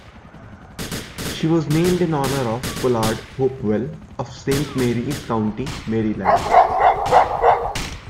She was named in honour of Pollard Hopewell of Saint Mary's county, Maryland.